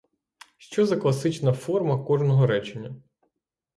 Що за класична форма кожного речення!